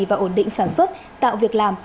và ổn định sản xuất tạo việc làm